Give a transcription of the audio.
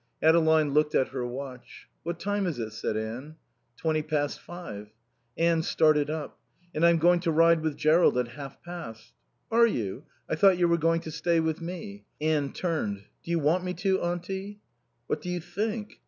Adeline looked at her watch. "What time is it?" said Anne. "Twenty past five." Anne started up. "And I'm going to ride with Jerrold at half past." "Are you? I thought you were going to stay with me." Anne turned. "Do you want me to, Auntie?" "What do you think?"